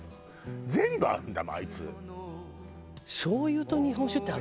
全部合うんだもんあいつ。